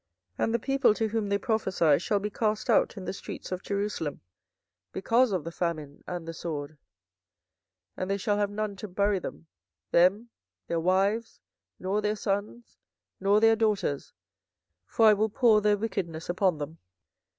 24:014:016 And the people to whom they prophesy shall be cast out in the streets of Jerusalem because of the famine and the sword; and they shall have none to bury them, them, their wives, nor their sons, nor their daughters: for I will pour their wickedness upon them.